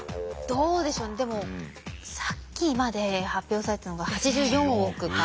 どうでしょうねでもさっきまで発表されたのが８４億か。